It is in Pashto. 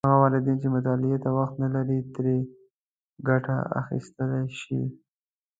هغه والدین چې مطالعې ته وخت نه لري، ترې ګټه اخیستلی شي.